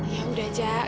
ya udah jah